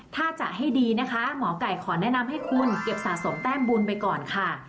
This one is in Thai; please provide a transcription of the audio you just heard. ถ้าจะให้ดีนะคะหมอไก่ขอแนะนำให้คุณเก็บสะสมแต้มบุญไปก่อนค่ะ